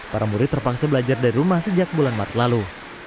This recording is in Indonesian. para murid terpaksa belajar dari rumah sejak bulan maret lalu